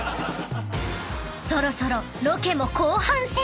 ［そろそろロケも後半戦］